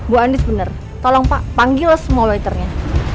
bu andis bener tolong pak panggil semua waiternya